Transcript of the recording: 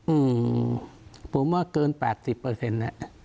อืมผมว่าเกิน๘๐เปอร์เซ็นต์